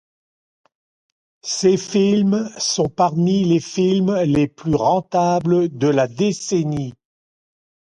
Ces films sont parmi les films les plus rentables de la décennie.